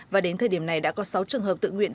và đến thời điểm này đã có sáu trường hợp tự nguyện